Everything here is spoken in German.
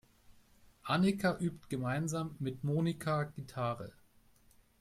Annika übt gemeinsam mit Monika Gitarre.